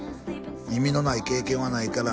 「意味のない経験はないから」